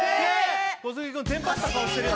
小杉君テンパった顔してるよ